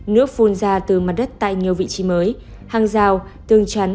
nước phun ra từ mặt đất tại nhiều vị trí mới hàng rào tương trắn